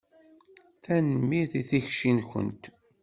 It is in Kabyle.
Tanemmirt i tikci-nkent.